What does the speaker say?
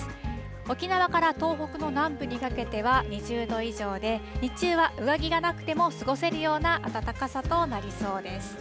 沖縄から東北の南部にかけては２０度以上で、日中は上着がなくても過ごせるような暖かさとなりそうです。